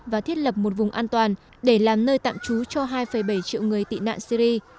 và thiết lập một vùng an toàn để làm nơi tạm trú cho hai bảy triệu người tị nạn syri